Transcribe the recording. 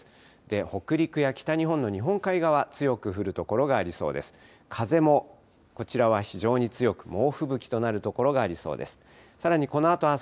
北陸や北日本の日本海側強く降る所がありそうです。